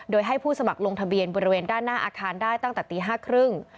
โดยให้ผู้สมัครลงทะเบียนบริเวณด้านหน้าอาคารได้ตั้งแต่ตี๕๓๐